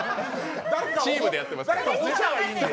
チームでやってますので。